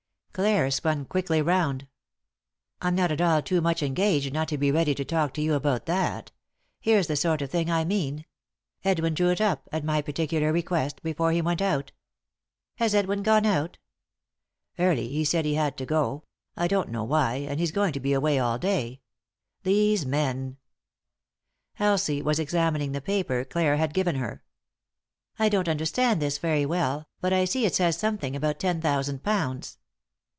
Clare spun quickly round. " I'm not at all too much engaged not to be ready to talk to you about that. Here's the sort of thing I mean — Edwin drew it up, at my particular request, before he went out," " Has Edwin gone out ?"" Early, he said he had to go ; I don't know why — and he's going to be away all day. These men 1 " Elsie was examining the paper Clare had given her. " I don't understand this very well, but I see it says something about ten thousand pounds."